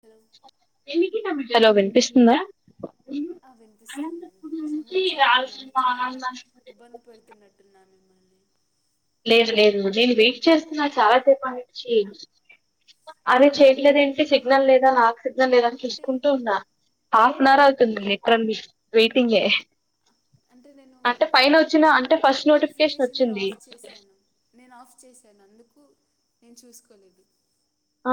Hello hello విన్పిస్తుందా? ఆ విన్పిస్తుందండి [inaudible] నేను చాలా ఇబ్బంది పెడుతున్నట్టున్నాను. లేద్ లేదు నేను వెయిట్ చేస్తున్నా చాలా సేపట్ నుంచి అదే అవునా చేయట్లేదు ఏంటి సిగ్నల్ లేదా నాక్ సిగ్నల్ లేదా అని అంటే చూసుకుంటూ ఉన్నా నరవుతుంది లిట్రలీ వెయిటింగే అంటే నేను అంటే ఆ, పైన ఒచ్చిన అంటే ఫస్ట్ నోటిఫికేషన్ ఒచ్చింది. నేన్ ఆఫ్ చేసాన్ అందుకు నేన్ చూస్కోలేదు. ఆ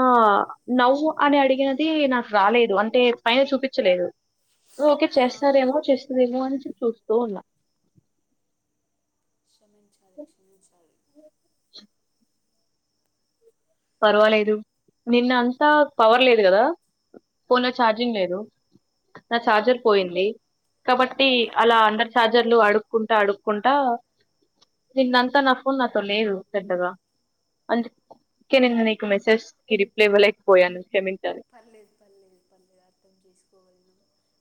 నవ్వు అని అడిగినది నాక్ రాలేదు అంటే పైన చూపిచలేదు. ఓకే ఆహా. చేస్తారేమో చేస్తదేమో అని చూస్తూ ఉన్నా క్షమించాలి క్షమించాలి. పర్వాలేదు నిన్న అంతా పవర్ లేదు గద ఫోన్ల ఛార్జింగ్ లేదు నా ఛార్జర్ పోయింది. కాబట్టి ఆ, అలా అందర్ ఛార్జర్లు అడుక్కుంటా, అడుక్కుంటా నిన్నంతా నా ఫోన్ నాతో లేదు పెద్దగా అం కే నిన్న నీకు మెసేజ్కి రిప్లై ఇవ్వలేకపోయాను క్షేమిం పర్లేదు పర్లేదు పర్లేదు అర్థం చేసుకోగలను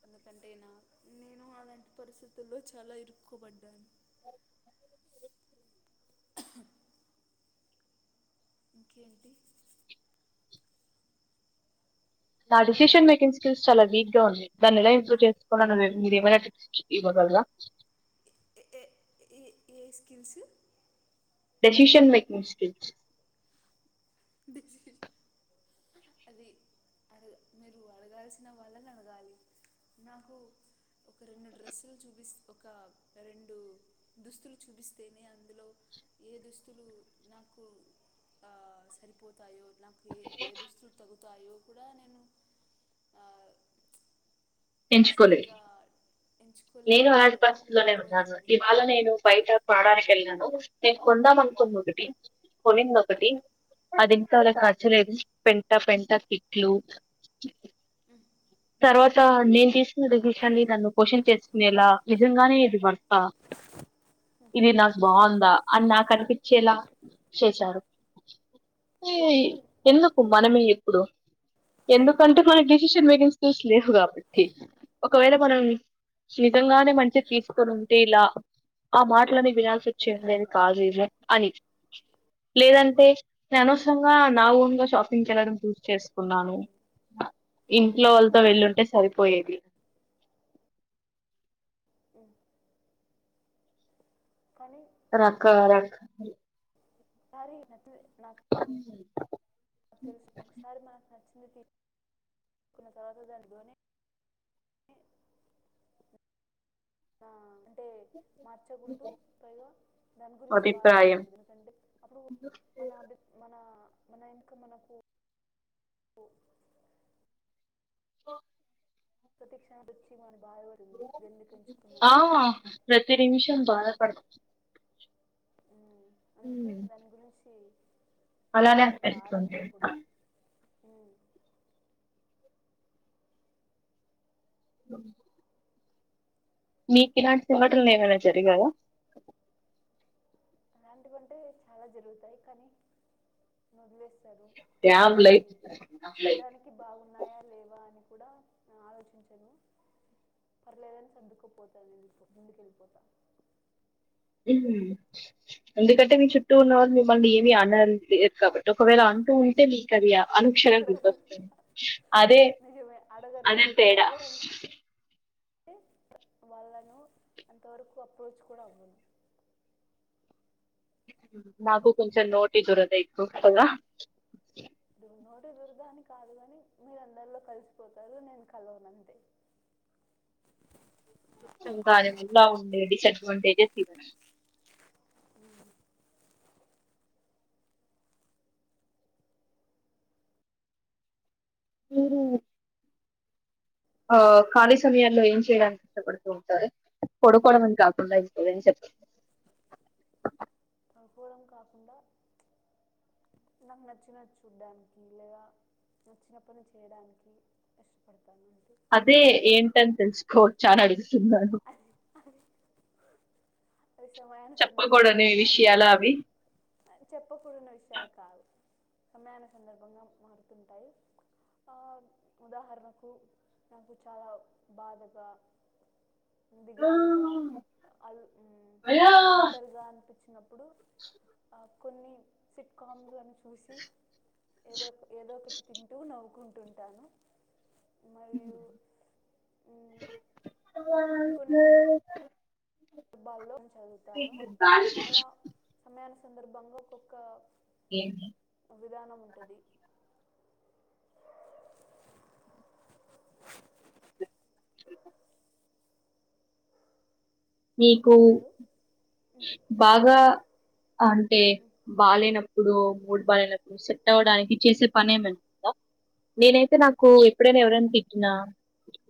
ఎందుకంటే నా నేను అలాంటి పరిస్థితుల్లో చాలా ఇరుక్కుబడ్డాను. [inaudible] ఇంకేంటి నా డిసిషన్ మేకింగ్ స్కిల్స్ చాలా వీక్ గా ఉంది. దాన్ని ఎలా ఇంప్రూవ్ చేసుకున్నా ను మీరు ఏమైన [inaudible] అల్లా ఏ- ఏ- ఏ ఏ స్కిల్స్ డెసిషన్ మేకింగ్ స్కిల్స్ [inaudible] అది మీరు అడగాల్సిన వాళ్లని అడగాలి నాకు ఒక రెండు డ్రెస్సులు చూపిస్ ఒక రెండు దుస్తులు చూపిస్తేనే అందులో ఏ దుస్తులు నాకు ఆ సరిపోతాయో నాకు ఏ ఏ దుస్తుల్ తగ్గుతాయో కూడా నేను ఆ ఎంచుకోలేదు సరిగ్గా నేను అలాంటి ఎంచుకోలేకపోయా పరిస్థితిలోనే ఉన్నాను. పోదాన్ని ఇవాళ నేను బయట పడడానికి ఏళ్ళినాను. కొందాం అనుకుంద్ ఒకటి కొనింద్ ఒకటి అది తలే కచలేదు పెంట పెంట టిక్లూ మ్ తర్వాత నేను తీసుకున్న డెసిషన్ మీద నువ్వు క్వశ్చన్ చేసుకునేలా నిజంగానే ఇది వర్త్ ఆ ఇది నాక్ బావుందా అన్ నాక్ అన్పిచ్చేలా చేశారు. ఇ ఎందుకు మనమే ఇప్పుడు ఎందుకంటే మనకి డిసిషన్ మేకింగ్ లేవు కాబట్టి ఒకవేళ మనం సీతంగానే మంచి తీస్కోనుంటే ఇలా ఆ మాటలన్ని వినాల్సొచింద్ కాదు అని లేదంటే నే అనవసరంగా నా ఓన్గా షాపింగ్ చేయదానిక్ చూస్ చేస్కున్నాను. ఇంట్లో వాళ్ళతో వెళ్ళుంటే సరిపోయేది. ఉమ్, కనీ రక రకాలు సారీ నచ్చలె నాక్ [inaudible] [inaudible] ఆ చె మార్చకూడదు పైగా దాని గురించి అభిప్రాయం బాధపడకూడదు ఎందుకంటే అప్పుడు మన అభి మన మన ఎందుకు మనకు కు వా ప్రతీక్షనం [unintelligible] మా అ ప్రతి నిమిషం బాధపడక్ ఉమ్, అందుకే మ్ దాని గురించి ఆ అలానే తర్వాత ఆరా అన్పిస్తుంది తీయకూడదు మ్ మీక్ ఇలాంటి సంఘటలు మంచి ఏమైనా జరిగాయా అలాంటివంటే చాలా జరుగుతాయి కానీ నుదిలేస్ అంటే డ్యామ్ అవి లైఫ్ చూడ్డానికి బాగున్నాయా లేవాని కూడా ఆలోచించను పర్లేదని సర్దుకుపోతాను ఎందుకో ముందుకెళ్ళిపోతా మ్ ఎందుకంటే మీ చుట్టూ ఉన్న వాళ్ళు మిమ్మల్ని ఏమీ అనర్ లేరు కాబట్టి ఒకవేళ అంటూ ఉంటే మీకది అనుక్షణం అడగరు గుర్తొస్తది అదే నిజమే అడగరు అదే తేడ అడగరు అంటే వాళ్ళను అంతవరకు అప్రోచ్ కూడా అవ్వను నాకు కొంచెం నోటి దురద ఎక్కువ కదా దు- నోటి దురదాని కాదు గాని మీర్ అందర్లో కలిసిపోతారు నేను కలవనంతే కొంచం కానీ [unintelligible] ఉండే డిసడ్వాంటేజెస్ [unintelligible] మీరు ఒ ఖాళీ సమయాల్లో ఏం చేయడానికి ఇష్టపడుతూ ఉంటారు పడుకోవడం అని కాకుండా ఇంకేం చెప్ అనుకోడం కాకుండా నాకు నచ్చినది చూడ్డానికి లేదా నచ్చిన పని చేయడానికి ఇష్టపడుతాను అదే ఏంటని తెల్సుకోవచ్చా అని అడుగుతున్నాను అవి సమయన సందర్భంగా చెప్పకూడని మారుతూ విషయాలు అవి ఉంటయ్ అ చెప్పకూడని విషాయలు కావు సమయను సందర్భంగా మారుతుంటాయి ఆ ఉదాహరణకు నాకు చాలా బాధగా దిగాలుగా అల్ మ్ ఒంటరిగా అనిపించ్చినప్పుడు అప్ కొన్ని సిట్కామ్లను చూసి ఏదోక్ ఏదో ఒకటి తింటూ నవ్వుకుంటుంటాను మరియు మ్, ఇంకొన్ని సంద హెబ్బల్లో చదువుతాను అలా సమయానీ సందర్భంగా ఒక్కొక్క ఏమీ విధానం ఉంటది మీకు హలో బాగా అంటే బాలేనప్ ప్పుడు మూడ్బాలేనప్పుడు సెట్ అవ్వడానికి చేసే పనేమన్నానుందా నేనైతే నాకు ఎప్పుడైనా ఎవరైనా తిట్టినా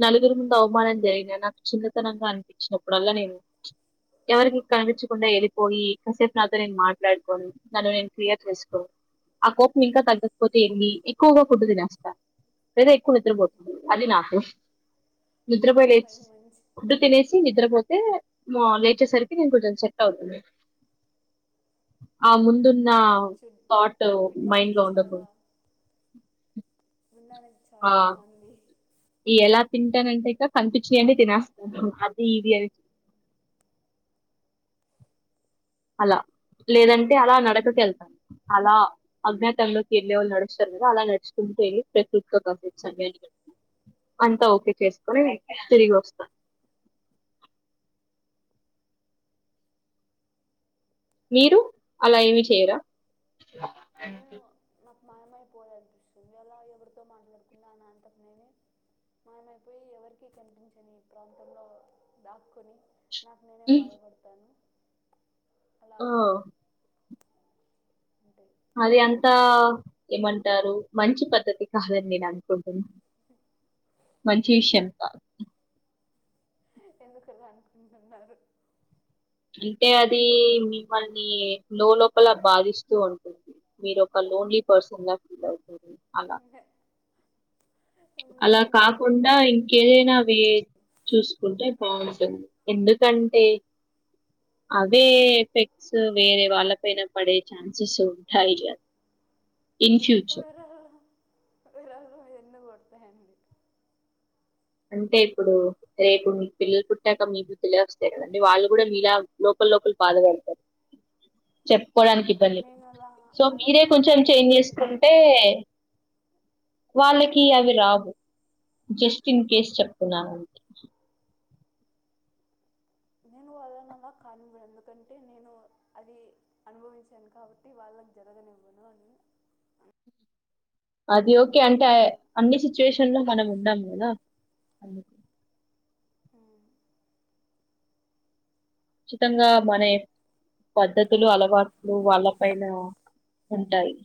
నలుగురి ముందు అవమానం జరిగినా నాకు చిన్నతనంగా అనిపిచ్చినప్పుడల్లా నేను ఎవరికి కనిపిచ్చకుండా ఎళ్ళిపోయి కాసేపు నాతోన్ నేను మాట్లాడుకోని నన్ను నేను క్లియర్ చేస్కో ఆ కోపం ఇంకా తగ్గకపోతే ఏంది ఎక్కువగా ఫుడ్ తినేస్తా నేనే ఎక్కువ నిద్రపోత అది నాకు నిద్రపోయి లేచ్ అది మంచి ఫుడ్డు తినేసి నిద్రపోతే మోర్న్ లే చ్చేరిసారికి కొంచెం సెట్ అవుతుంది అవును దున్న అది చూ థాట్ అది మైండ్ వినడానికి లో ఉండకు చాలా ఉన్నాననికి చాలా బాగుంది ఇ ఎలా తింటానంటే ఇక కనిపించనండి తినేస్తా అది ఇది అని అలా లేదంటే అలా నడకకు వెళ్తా అలా అజ్ఞాతంలోకి వెళ్ళే ఒళ్ళు నడుస్తారు చూద్ అలా నడుచుకుంట [unintelligible] అంతా ఓకే చేసుకొని తిరిగి వస్తా మీరు అలా ఏమి చేయరా మయమైపోయాయిపిస్తుంది ఎలా ఎవరితో మాట్లాడుకుండా అనంతకు మేమే మయమైపోయి ఎవరికి కనిపించని ఈ ప్రాంతంలో దాక్కొని నాకు నేనే బాధపడతాను అలా ఆ ఉంటాయి అది అంతా ఏమంటారు మంచి పద్ధతి కాదని నేను అనుకుంటున్నా మంచి విషయం కా హ ఎందుకలా అనుకుంటున్నారు అంటే అది మిమ్మల్ని లో లోపల బాధిస్తూ ఉంటుంది మీరోపల లోన్లీ పర్సన్ అలా ముందు అలా నుంచి అదే కాకుండా కదా ఇంకేదైనావే చూసుకుంటే బావుంటది ఎందుకంటే అవే ఎఫెక్ట్స్ వేరే వాళ్ళ పైన పడే ఛాన్సెస్ ఉంటాయి కదా ఇన్ ఫ్యూచర్ [inaudible] మీరు ఎన్నో కొడతాయండి అంటే ఇప్పుడు రేపు మీ పిల్లలు పుట్టాక మీ బుద్ధిలే వస్తాయి కదండి వాళ్ళు కూడా మీలా లోపల లో లోపల బాధపడతారు చెప్ కోడాలనికి ఇబ్బంలే నేను అలా సో అలా మీరే కొంచెం కానివ్వను చేంజ ఎందుకంటే చేసుకుంటే వాళ్ళకి అవి రావు జస్ట్ ఇన్ కేస్ చెప్తున్నాను అంతే నేను వాళ్ళని అన్నా కానువేదుకంటే నేను అది అనుభవించాను కాబట్టి వాళ్ళ [unintelligible] అది ఓకే అంటే నా అ అన్ని ఇది సిచ్యుయేషన్ లో మనం ఉండాలి కదా అందుకు ఆ ఖచ్చితంగా మన ఏ పద్ధతులు అలవాట్లు వాళ్ళ పైన ఉంటాయి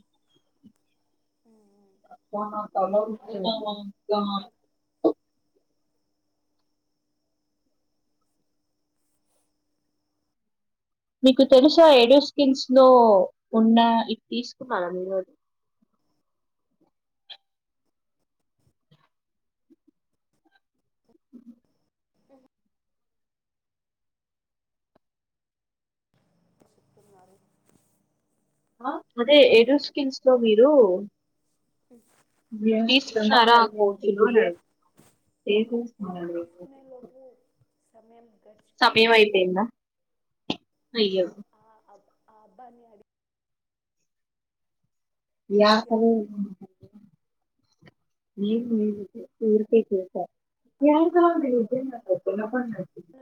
ఉమ్, ఉమ్ వా [unintelligible] మీకు తెలుసా ఏడూ స్కిల్స్ లో ఉన్న ఇవి తీసుకున్నారా మీరోజు సెపండి మరీ అ అదే ఎడూస్కిన్స్ లో మీరు [unintelligible] సమయమ్ సమయం అయిపోయింద నేను అయ్యో ఆ అబ్- ఆ అబ్బాని అడి యాహు ఏం లేదు ఊరికే చేశా రెండు రోజుల తర్వాత [unintelligible]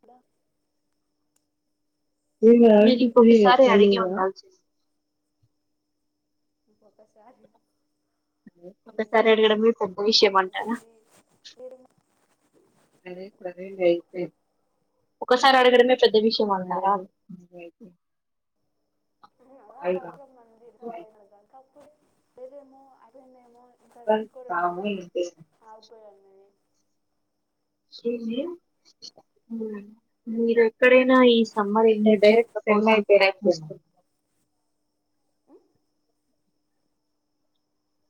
హలో వీళ్ళనడిగి పోని ఒక్కసారీ ఒక్కసారి అడగడమే పెద్ద విష్యం అంటారా వేరే వేరే సరే సరే లే అయిపో ఒక్కసారి అడగడమే పెద్ద విష్యం అన్నారా నేనెవ్వరినడగనండి సర్లేనంకా తప్పు చేస్తదేమో అయిపోయిందేమో ఇంకా వన్ తీసుకోరేమో అని పావ్వింటే ఆగిపోయాను నేను మీరెక్కడైనా ఈ సమ్మర్ ఎండ డైరెక్ట్గా అయిపోయినట్టుంది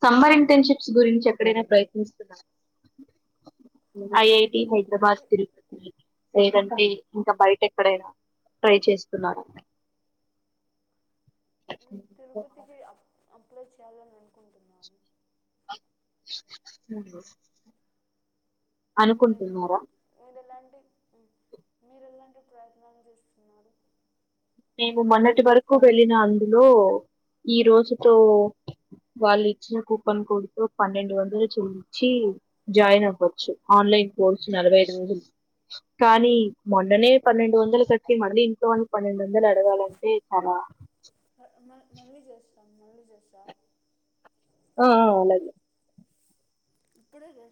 సమ్మర్ ఇంటర్న్షిప్స్ గురించి ఎక్కడైనా ప్రయత్నిస్తున్నారా ఐ ఐ టి హైద్రాబాద్ ప్రొఫె తిరుపతి లేదంటే ఇంకా బైటెక్కడైనా ట్రై చేస్తున్నారా ఉ తిరుపతికి అప్ అప్లై చేయ్యాల్ననుకుంటున్నాను ఉ హు అనుకుంటున్నారా డి ఉ మీరెలాంటి ప్రయత్నాలు జేస్తున్నారు నేను మొన్నటి వరకు వెళ్ళినందులో ఈ రోజుతో వాళ్ళిచ్చిన కూపన్ కోడ్తో పన్నెండు వందలు చెల్లించ్చి జాయిన్ అవ్ వొచ్చు ఆన్లైన్ కోర్స్ నలభై ఐద్రోజుల్ కానీ మొన్ననే పన్నెండు వందలు కట్టి మర్లీ ఇంక్కో పన్నెండు వందలడగాలంటే చాలా మ మ మళ్ళీ చేస్తాం మళ్ళీ చేస్సా అ అ అలాగే ఇప్పుడే జే